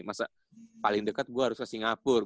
masa paling dekat gue harus ke singapura